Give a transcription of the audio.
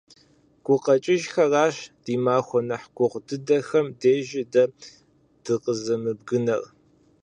ГукъэкӀыжхэращ ди махуэ нэхъ гугъу дыдэхэм дежи дэ дыкъэзымыбгынэр.